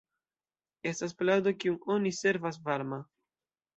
Estas plado kiun oni servas varma.